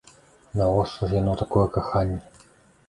Навошта ж яно, такое каханне?